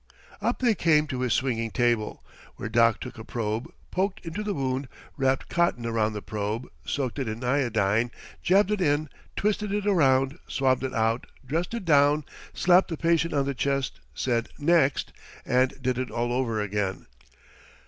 Up they came to his swinging table, where Doc took a probe, poked into the wound, wrapped cotton around the probe, soaked it in iodine, jabbed it in, twisted it around, swabbed it out, dressed it down, slapped the patient on the chest, said "Next," and did it all over again.